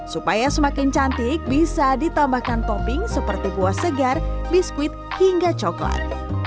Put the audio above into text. supaya semakin cantik bisa ditambahkan topping seperti buah segar biskuit hingga coklat